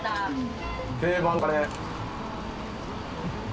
定番のカレー。